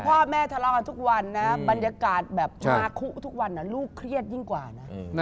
พ่อแม่ทะเลาะกันทุกวันนะบรรยากาศแบบมาคุทุกวันลูกเครียดยิ่งกว่านะ